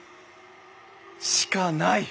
しかない！